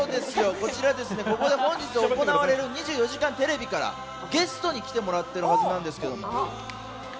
こちら本日行われる『２４時間テレビ』からゲストに来てもらっているはずなんですけども。